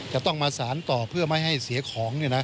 จะต้องมาสารต่อเพื่อไม่ให้เสียของ